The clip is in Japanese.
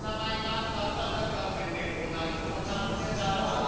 「なかなか出てこないのなんでだろう」